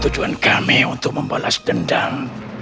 tujuan kami untuk membalas dendam